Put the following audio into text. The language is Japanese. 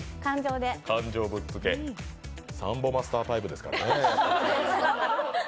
感情ぶっつけ、サンボマスタータイプですからね。